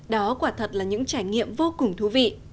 đó quả thật là những trải nghiệm vô cùng thú vị